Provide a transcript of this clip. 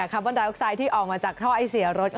บอนไดออกไซด์ที่ออกมาจากท่อไอเสียรถ